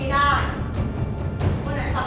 คนไหนฟังไม่ได้